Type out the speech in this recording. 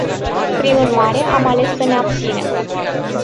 Prin urmare, am ales să ne abținem.